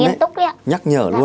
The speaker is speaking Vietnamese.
một câu rất là nghiêm túc